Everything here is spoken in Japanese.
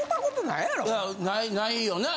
ないよな。